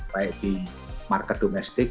baik di market domestik